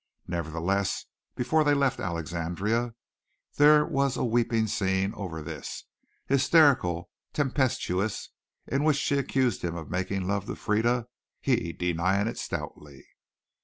Nevertheless, before they left Alexandria there was a weeping scene over this, hysterical, tempestuous, in which she accused him of making love to Frieda, he denying it stoutly.